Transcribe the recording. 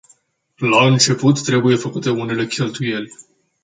La început, trebuie făcute unele cheltuieli.